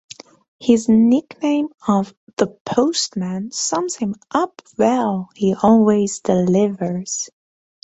His nickname of 'The Postman' sums him up well, he always delivers!